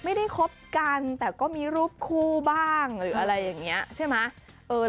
คบกันแต่ก็มีรูปคู่บ้างหรืออะไรอย่างนี้ใช่ไหม